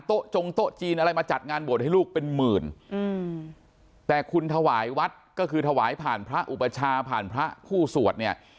จงโต๊ะจีนอะไรมาจัดงานบวชให้ลูกเป็นหมื่นอืมแต่คุณถวายวัดก็คือถวายผ่านพระอุปชาผ่านพระผู้สวดเนี่ย